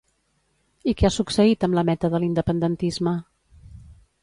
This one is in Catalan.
I què ha succeït amb la meta de l'independentisme?